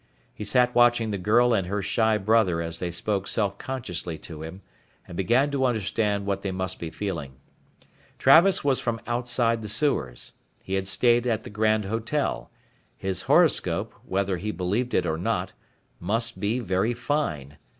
He sat watching the girl and her shy brother as they spoke self consciously to him, and began to understand what they must be feeling. Travis was from outside the sewers, he had stayed at the grand hotel his horoscope, whether he believed it or not, must be very fine.